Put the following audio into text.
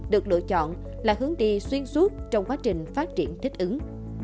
được lựa chọn là hướng đi xuyên suốt trong quá trình phát triển thích ứng